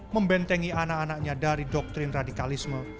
membentengi anak anaknya dari doktrin radikalisme